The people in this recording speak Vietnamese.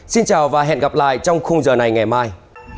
xin chào và hẹn gặp lại trong khung giờ này ngày mai